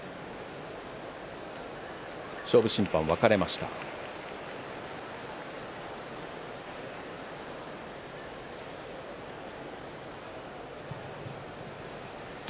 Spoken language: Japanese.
勝負審判、分かれました。